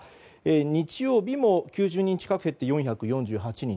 日曜日も９０人近く減って４４８人。